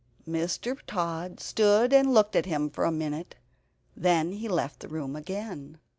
Mr. Tod stood and looked at him for a minute; then he left the room again.